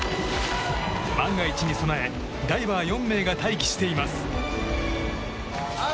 万が一に備えダイバー４名が待機しています。